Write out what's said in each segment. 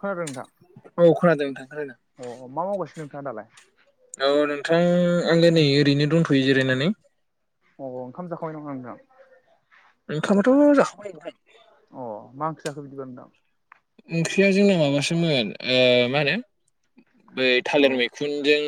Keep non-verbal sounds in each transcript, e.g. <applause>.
खोनादों नोंथां। औ खोनादों नोंथां खोनादों अ मा मावगासिनो नोंथाङा दालाय? औ नोंथां आङो नै ओरैनो दंथ'यो जिरायनानै। अ ओंखाम जाखांबाय नामा नोंथां? ओंखामाथ' जाखांबाय नोंथां अ मा ओंख्रि जाखो बिदिबा नोंथां? ओंख्रिया जोंना माबासोमोन ओ मा होनो बै औ थालिर मैख खुनजों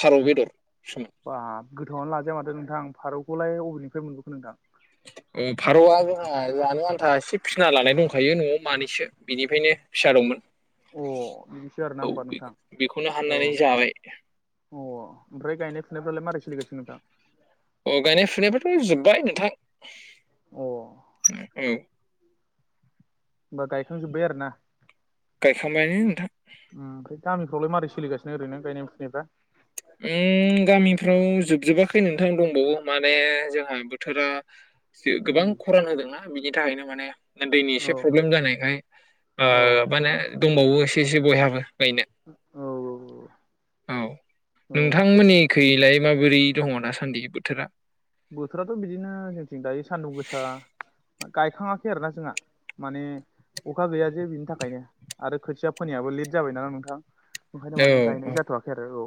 फारौ बेदरसोमोन बा गोथावनो लाजाया माथो नोंथां फारौखौलाय अबेनिफ्राय मोनबोखो नोंथां? ओ फारौआ जोंहा जानो आन्था एसे फिसिना लानाय दंखायो न'आव मानैसो बेनिफ्रायनो फिसा दंमोन। अ बिदिसो आरोना औ होमबा नोंथां बेखौनो औ हाननानै जाबाय अ ओमफ्राय गायनाय फुनायफ्रालाय मारै सलिगोसो नोंथां? अ गायनाय फुनायाबथ' जोब्बाय नोंथां। अ औ होमबा गायखांजोब्बाय आरो ना? गायखांबायानो नोंथां ओमफ्राय गामिफ्रावाय मारै सोलिगासिनो ओरैनो गायनाय फुनायफ्रा? ओं गामिफ्राव जोबजोबाखै नोंथां दंबावो माने जोंहा बोथोरा गोबां उम खरान होदोंना बिनि थाखायनो माने दैनि औ एसे प्रब्लेम जानायखाय औ ओ माने दंबावो एसे एसे बयहाबो गायनो। औ औ औ नोंथांमोननिखैलाय माबोरै दङ दासान्दि बोथोरा? बोथोराथ' बिदिनो जोंथिं दायो सानदुं गोसा गायखाङाखै आरो ना जोंहा। माने अखा गैया जे बिनि थाखायनो आरो खोथिया फोनायाबो लेट जाबाय ना नोंथां। ओंखायनो औ माने गायनाय औ जाथ'वाखै आरो औ।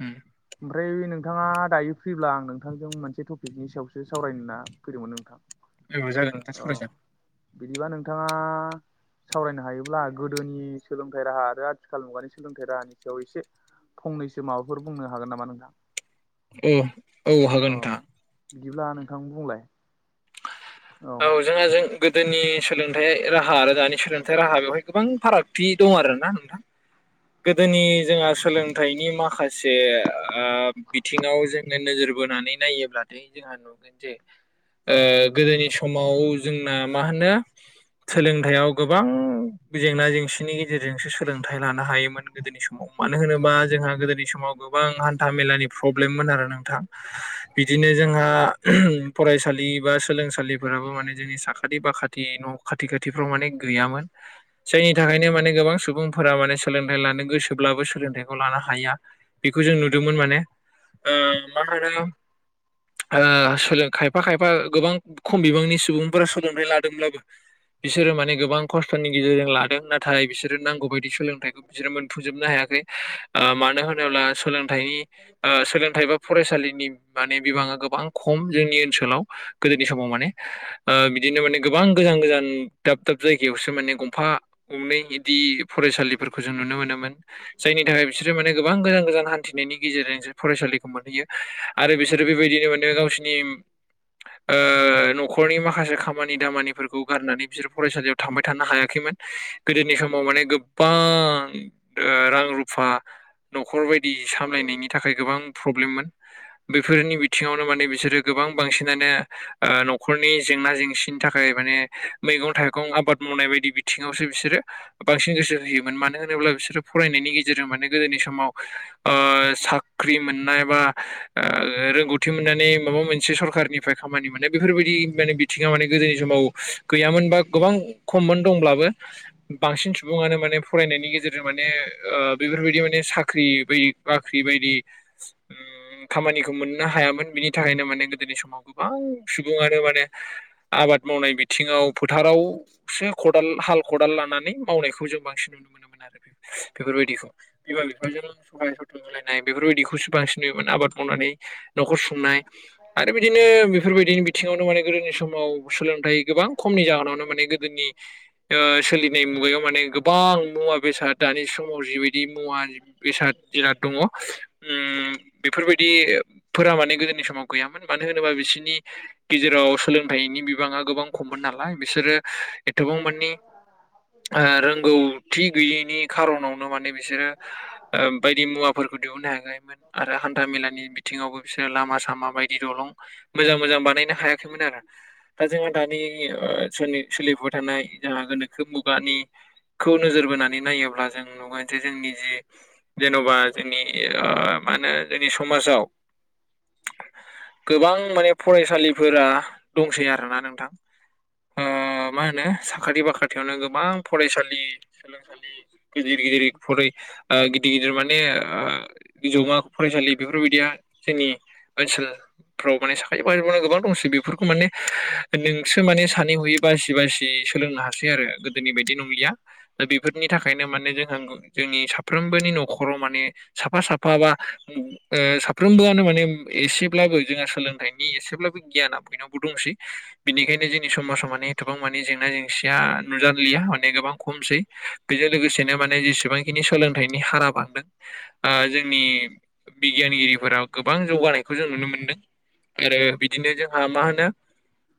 उम ओमफ्राय नोंथाङा दायो फ्रिब्ला आं नों थांजों मोनसे टपिकनि सायावसो सावरायना फैदोंमोन नोंथां। औ जागोन नोंथा औ सावरायजागोन। बिदिबा नोंथाङा सावरायनो हायोब्ला गोदोनि सोलोंथाइ राहा आरो आथिखाल मुगानि सोलोंथाइ राहानि सायाव एसे फंनैसो माबाफोर बुंनो हागोन नामा नोंथां? ए औ अ हागोन नोंथां बिदिब्ला नोंथां बुंलाय औ जोंहा जों गोदोनि सोलोंथाइ राहा आरो दानि सोलोंथाइ राहा बेवहाय गोबां फारागथि दं आरो ना नोंथां? गोदोनि जोंहा सोलोंथाइनि माखा से बिथिङाव जोङो नोजोर बोनानै नायोब्लाथाय जोंहा नुगोन जे ओ गोदोनि समाव जोंना मा होनो सोलोंथाइयाव गोबां जेंना जेंसिनि गेजेरजोंसो सोलोंथाइ लानो हायो मोन गोदोनि समाव मानो होनोबा जोंहा गोदोनि समाव गोबां हान्था मेलानि प्रब्लेममोन आरो नोंथां। बिदिनो जोंहा फरायसालि बा सोलोंसालिफोराबो माने जोंनि साखाथि बाखाथि न' खाथि खाथिफ्राव माने गैयामोन। जायनि थाखायनो माने गोबां सुबुंफोरा माने सोलों थाइ लानो गोसोब्लाबो सोलोंथाइखौ लानो हाया बेखौ जों नुदोंमोन माने। ओ मा होनो ओ सोलोंथाइ एफा खायफा गोबां खम बिबांनि सुबुंफोरा सोलोंथायाइ लादोंब्लाबो बिसोरो माने गोबां खस नि गेजेरजों लादों नाथाय बिसोरो नांगौ बायदि सोलोंथाइखौ बिसोरो मोनफुजोब हायाखै मानो होनोब्ला सोलोंथनि सोलोंथाइ बा फरायसालिनि माने बिबाङा गोबां खम जोंनि ओनसोलाव। गोदोनि समाव माने बिदिनो माने गोबां गोजान गोजान दाब दाब जायगायावसो माने गंफा गंनै बिदि फरेस जों नुनो मोनोमोन जायनि थाखाय बिसोरो माने गोबां गोजान गोजान हान्थिनायनि गेजेरजों जों फरायसालिखौ मोनहैयो आरो बिसोरो बे बायदिनो मोनानो गावसोरनि न'खरनि माखासे खामानि दामानिफोरखौ गारनानै बिसोर फरायसालियाव थांबाय थानो हायाखैमोन। गोदोनि समाव माने गोबां रां रुफा न'खर बायदि सामलायनायनि थाखाय गोबां प्रब्लेममोन बेफोरनि बिथिङावनो माने बिसोरो गोबां बांसिनानो न'खरनि जेंना जेंसिनि थाखाय माने मैगं थाइगं आबाद मावनाय बायदि बिथिङाव बांसिन गोसो होयोमोन मानो होनोब्ला बिसोरो फरायनायनि गेजेरजों माने गोदोनि समाव। साख्रि मोननाय बा रोंगौथि मोननानै माबा मोनसे सरखारनि। नि खामानि मोननाय बेफोर बायदि माने बिथिङा माने गोदोनि समाव गैयामोन बा गोबां खममोन दंब्लाबो। बांसिन सुबुङानो माने फरायनायनि गेजेर गेजेरजों माने बेफोरबायदि माने साख्रि बाय बाख्रि बायदि <inaudible> उम खामानिखौ मोननो हायामोन बिनि थाखायनो माने गोदोनि समाव गोबां सुबानो माने आबाद मावनाय बिथिङाव फोथाराव। सो खदाल हाल खदाल लानानै मावनायखौ जों बांसिन नुनो मोनो। बेफोरबायदिखौ बिमा बिफाजों सहाय सथ'लाय नाय बेफोरबायदिखौसो बांसिन नुयोमोन आबाद मावनानै न'खर संनाय आरो बिदिनो बेफोरबायदिनि बिथिङावनो माने गोदोनि समाव सोलोंथाइ गोबां खमनि जाहोनावनो माने गोदोनि सोलिनाय मुगायाव माने गोबां। मुवा बेसाद दानि समाव जिबायदि मुवा बेसाद जुनाद दङ बेफोर बायदि फोर माने गोदोनि समाव गैयामोन मानो होनोबा बिसोरनि गेजेराव सोलोंथाइनि बिबाङा गोबां खममोन नालाय बिसोरो एथ'बां माने रोंगौथि गैयैनि खार'नावनो माने बिसोरो बायदि मुवाफोरखौ दिहुननो हायाखैमोन। आरो हान्था मेलानि बिथिङावबो बिसोरो लामा सामा बायदि दलं मोजां मोजां बानायनो हायाखैमोन आरो। दा जोंहा दानि सोलिबोबाय थानाय जोंहा गोनोखो मुगानि खौ नोजोर बोनानै नायोब्ला जों नुगोन जे जोंनि जि जेन'बा जोंनि मा होनो जोंनि समाजाव गोबां माने फरायसालिफोरा दंसै आरोना नोंथां। मा होनो साखाथि बाखाथियावनो गोबां फरायसालि सोलोंसालि गिदिर गिदिर फरायै गिदिर गिदिर माने। जौमा फरायसालि बेफोरबायदिया जोंनि ओनसोल फ्राव माने साखाथि बाखनो गोबां दंसै बेफोरखौ माने नोंसो माने सानै हयै बासि बासि सोलोंनो हासै आरो गोदोनि बायदि नंलिया दा बेफोरनि थाखायनो माने जोंहा जोंनि साफ्रोमबोनि न'खराव माने साफा साफा बा साफ्रोमबोआनो माने एसेब्लाबो जोंहा सोलोंथाइनि एसेब्लाबो गियाना बयनावबो दंसै। बिनिखायनो जोंनि समाजाव माने गोबां माने जेंना जेंसिया नुजालिया माने गोबां खमसै बेजों लोगोसेनो माने जेसेबांखिनि सोलोंथाइनि हारा बांदों जोंनि बिगियानगिरिफोरा गोबां जौगानायखौ जों नुनो मोनदों। आरो बिदिनो जोंहा मा होनो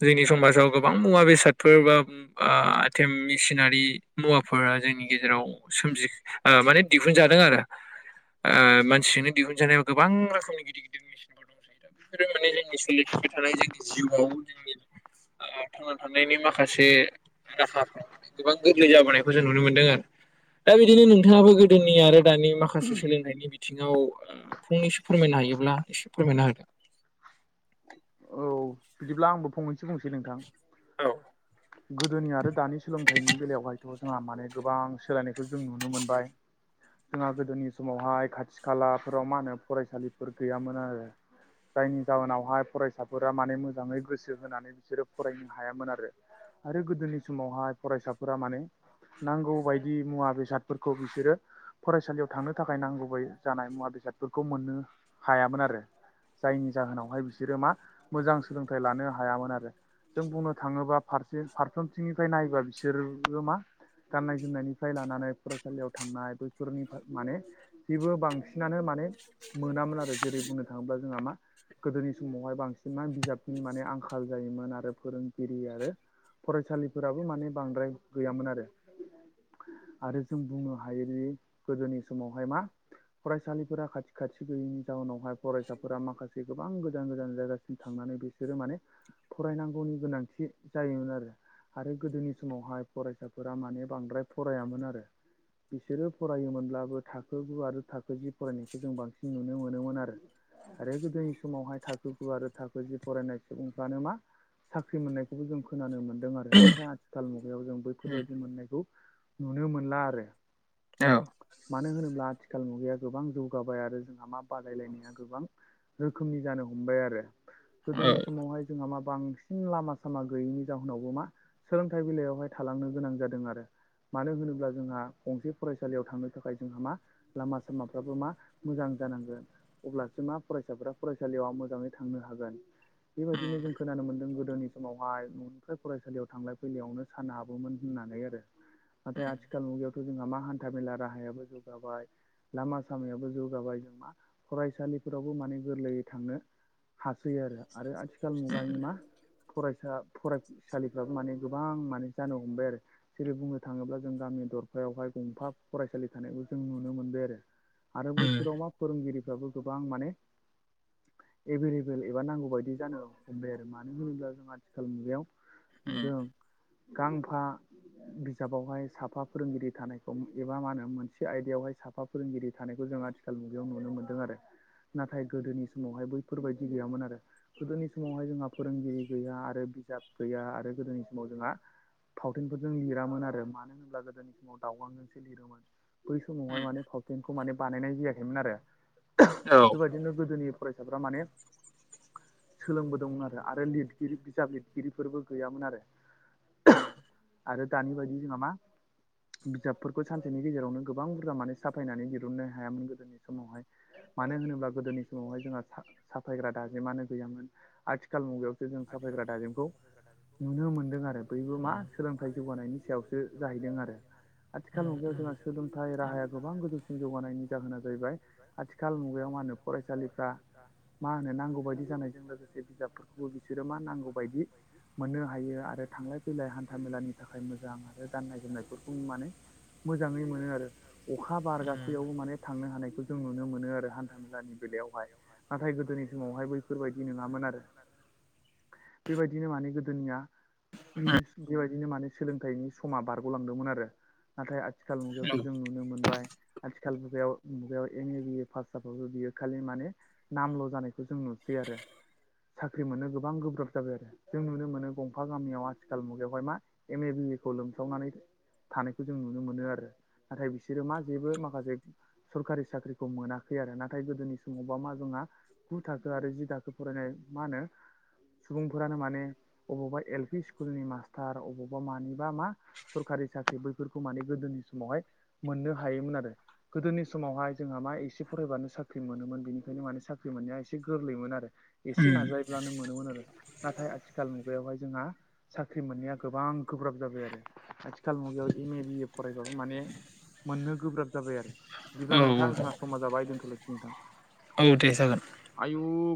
जोंनि समाजाव गोबां मुवा बेसादफोर बा ओ आइते मिसिनारि मुवाफोरा जों नि गेजेराव सोमजि माने दिहुनजादों आरो मानसिजोंनो दिहुनजानायाव गोबां रोखोमनि गिदिर गिदिर मेसिन <unintelligible> दा बेफोरो माने जोंनि सोलिबाय थानाय जोंनि जिउआव जोंनि थांना थानायनि माखासे राहाफोरा गोबां गोरलै जाबोनायखौ जों नुनो मोनदों। दा बिदिनो नोंथाङाबो गोदोनि आरो दानि माखासे सोलोंथाइनि बि बिथिङाव फंनैसो फोरमायनो हायोब्ला एसे फोरमायना होदो। औ बिदिब्ला आंबो फंनैसो बुंनोसै नोंथां। औ गोदोनि आरो दानि सोलोंथाइनि बेलायावहायथ' जोंहा माने गोबां सोलायनायखौ जों नुनो मोनबाय। जोंहा गोदोनि समावहाय खाथि खालाफोराव मा होनो फरायसालिफोर गैयामोन आरो जायनि जाहोनावहाय फरायसाफोरा माने मोजाङै गोसो होनानै बिसोरो फरायनो हायामोन आरो। आरो गोदोनि समावहाय फरायसाफोरा माने नांगौ बायदि मुवा बेसादफोरखौ बिसोरो फरायसालियाव थांनो थाखाय नांगौ बै जानाय मुवा बेसादफोरखौ मोननो हायामोन आरो। जायनि जाहोनावहाय बिसोरो मा मोजां सोलोंथाइ लानो हायामोन आरो। जों बुंनो थाङोबा फारसे फारफ्रोमथिंनिफ्राय नायोबा बिसोरबो मा गाननाय जोमनायनिफ्राय लानानै फरायसालियाव थांनाय बैफोरनि माने जेबो बांसिनानो माने मोनामोन आरो जेरै बुंनो थाङोब्ला जोंहा मा गोदोनि समावहाय बांसिन बिजाबनि माने आंखाल जायोमोन आरो फोरोंगिरि आरो फरायसालिफोराबो माने बांद्राय गैयामोन आरो। आरो जों बुंनो हायोदि गोदोनि समावहाय मा फरायसालिफोरा खाथि खाथि गैयिनि जाहोनावहाय फरायसाफोरा माखासे गोबां गोजान गोजान जायगा थांनानै बिसोरो माने फरायनांगौनि गोनांथि जायोमोन आरो। आरो गोदोनि समावहाय फरायसाफोरा माने बांद्राय फरायामोन आरो। बिसोरो फरायोमोनब्लाबो थाखो गु आरो थाखो जि फरायनायखौ जों बांसिन नुनो मोनोमोन आरो। आरो गोदोनि समावहाय थाखो गु आरो थाखो जि फरायनाय सुबुंफ्रानो मा साख्रि मोननायखौबो जों खोनानो मोनदों आरो नाथाय आथिखाल मुगायाव जों उम बैफोरबायदि मोननायखौ नुनो मोनला आरो। औ मानो होनोब्ला आथिखाल मुगाया गोबां जौगाबाय आरो जोंहा मा बादायलायनाया गोबां रोखोमनि जानो हमबाय आरो। औ गोदोनि समावहाय जोंहा मा बांसिन लामा सामा गैयैनि जाहोनावबो मा सोलोंथाइ बिलायावहाय थालांनो गोनां जादों आरो। मानो होनोब्ला जोंहा गंसे फरायसालियाव थांनो थाखाय जोंहा मा लामा सामाफ्राबो मा मोजां जानांगोन अब्लासो मा फरायसाफ्रा फरायसालियाव मोजाङै थांनो हागोन बेबायदिनो उम जों खोनानो मोन्दों गोदोनि समावहाय न'निफ्राय फरायसालियाव थांलाय फैलायावनो सान हाबोमोन होननानै आरो नाथाय उम आथिखाल मुगायाव थ' जोंहा मा हान्था मेला राहायाबो जौगाबाय लामा सामायाबो जौगाबाय जों मा फरायसालिफोरावबो माने गोरलैयै थांनो हासै आरो आरो आथिखाल उम मुगानि मा फरायसा फराय फरायसालिफ्राबो माने गोबां माने जानो हमबाय आरो जेरै बुंनो थाङोब्ला जों गामि दरफायावहाय गंफा फरायसालि थानायखौ जों नुनो मोनबाय आरो आरो उम बैफोराव मा फोरोंगिरिफ्राबो गोबां माने एबेलेबेल बेल एबा नांगौ बायदि जानो हमबाय आरो मानो होनोब्ला जों आथिखाल मुगायाव उम नुदों गांफा बिजाबावहाय साफा फोरोंगिरि थानायखौ एबा मा होनो मोनसे आयदायावहाय साफा फोरोंगिरि थानायखौ जों आथिखाल मुगायाव नुनो मोन्दों आरो नाथाय गोदोनि समावहाय बैफोरबायदि गैयामोन आरो गोदोनि समावहाय जोंहा फोरोंगिरि गैया आरो बिजाब गैया आरो गोदोनि समाव जोंहा फावथेनफोरजों लिरामोन आरो मानो होनब्ला गोदोनि समाव दावगांजोंसो लिरोमोन। बै समावहाय उम माने फावथेनखौ माने बानायनाय जायाखैमोन आरो औ बेबायदिनो गोदोनि फरायसाफ्रा माने सोलोंबोदोंमोन आरो आरो लिरगिरि बिजाब लिरगिरिफोरबो गैयामोन आरो। उम आरो दानि बायदि जोङा मा बिजाबफोरखौ सानसेनि गेजेरावनो गोबां बुरजा माने साफायनानै दिरुननो हायामोन गोदोनि समावहाय। मानो होनोब्ला गोदोनि समावहाय जोंहा सा साक साफायग्रा दाजेमानो गैयामोन आथिखाल मुगायावसो जों साफायग्रा दाजेमखौ नुनो मोनदों आरो बैबो मा सोलोंथाइ जौगानायनि सायावसो जाहैदों आरो। आथिखाल उम उम मुगायाव जोंहा सोंलोथाइ औ राहाया गोबां गोजौसिम जौगानायनि जाहोना जाहैबाय आथिखाल मुगायाव मा होनो फरायसालिफ्रा मा होनो नांगौ बायदि जानायजों लोगोसे बिजाबफोरखौबो बिसोरो मा नांगौ बायदि मोननो हायो आरो थांलाय फैलाय हान्था मेलानि थाखाय मोजां आरो गाननाय जोमनायफोरखौ माने मोजाङै मोनो आरो। अखा औ बारगासैयावबो माने थांनो हानायखौ जों नुनो मोनो आरो हान्था मेलानि बेलायावहाय। नाथाय गोदोनि समावहाय बैफोरबायदि नोङामोन आरो बेबायदिनो माने गोदोनिया बेबायदिनो माने सोलोंथाइनि समा बारग'लांदोंमोन आरो। नाथाय आथिखाल मुगायावथ' जों नुनो मोनबाय। आथिखाल मुगायाव मुगायाव एम ए बिए पास जाबाबो बियो खालि माने नामल' जानायखौ जों नुसै आरो। साख्रि मोननो गोबां गोब्राब जाबाय आरो जों नुनो मोनो गंफा गामियाव आथिखाल मुगायावहाय मा एम ए बिए खौ लोमसावनानै थानायखौ जों नुनो मोनो आरो नाथाय बिसोरो मा जेबो माखासे सरखारि साख्रिखौ मोनाखै आरो नाथाय गोदोनि समावबा मा जोङा गु थाखो आरो जि थाखो फरायनाय मा होनो सुबुंफोरानो माने अबावबा एल पि स्कुलनि मास्टार अबावबा मानिबा मा सरखारि साख्रि बैफोरखौ माने गोदोनि समावहाय मोननो हायोमोन आरो‌। गोदोनि समावहाय जोंहा मा एसे फरायबानो साख्रि मोनोमोन बिनि खायनो माने साख्रि मोननाया एसे गोरलैमोन आरो एसे उम नाजायोब्लानो मोनोमोन आरो। नाथाय आथिखाल मुगायावहाय जोंहा साख्रि मोननाया गोबां गोब्राब जाबाय आरो आथिखाल मुगायाव एम ए बिए फरायबाबो माने मोननो गोब्राब जाबाय आरो बिदिब्ला औ नोंथां औ जोंहा समाजा बाय दोनथ'नोसै नोंथां। औ दे जागोन। आयु